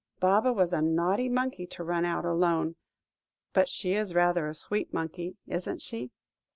Baba was a naughty monkey to run out alone. But she is rather a sweet monkey, isn't she?"